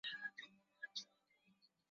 hii hapa angefanya hivi nasisi tunaweza